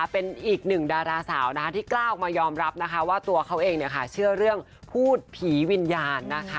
เป็นอีกหนึ่งดาราสาวที่กล้าออกมายอมรับนะคะว่าตัวเขาเองเชื่อเรื่องพูดผีวิญญาณนะคะ